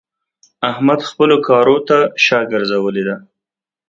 احمد خپلو کارو ته شا ګرځولې ده.